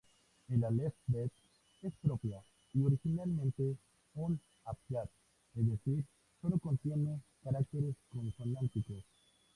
El álef-bet es propia y originalmente un abyad, es decir, sólo contiene caracteres consonánticos.